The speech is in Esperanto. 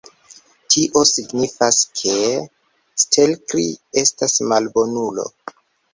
Tio signifas, ke Stelkri estas malbonulo.